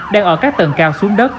đang ở các tầng cao xuống đất